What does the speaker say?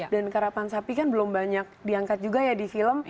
dan karapan sapi kan belum banyak diangkat juga ya di film